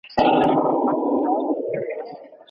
ولي هڅاند سړی د ذهین سړي په پرتله لاره اسانه کوي؟